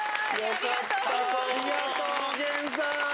ありがとうおげんさん！